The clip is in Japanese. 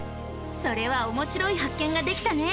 それはおもしろい発見ができたね！